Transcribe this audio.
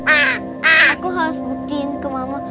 aku harus buktiin ke mama